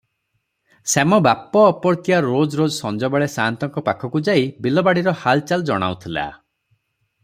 ଶ୍ୟାମ ବାପ ଅପର୍ତ୍ତିଆ ରୋଜରୋଜ ସଞ୍ଜବେଳେ ସାଆନ୍ତଙ୍କ ପାଖକୁ ଯାଇ ବିଲବାଡ଼ିର ହାଲଚାଲ ଜଣାଉଥିଲା